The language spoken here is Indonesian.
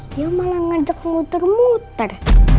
dia malah ngajak nguter nguter